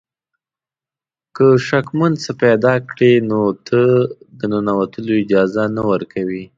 که شکمن څه پیدا کړي نو د ننوتلو اجازه نه درکوي.